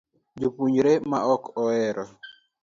Japuonjre ma ok ohero